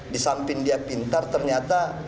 di samping dia pintar ternyata